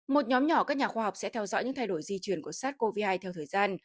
một nhóm nhỏ các nhà khoa học sẽ theo dõi những thay đổi di chuyển của sars cov hai theo thời gian